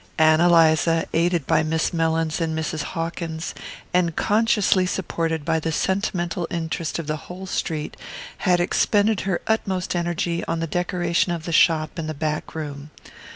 Ann Eliza, aided by Miss Mellins and Mrs. Hawkins, and consciously supported by the sentimental interest of the whole street, had expended her utmost energy on the decoration of the shop and the back room.